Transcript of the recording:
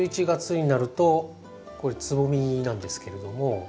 １１月になるとこれつぼみなんですけれども。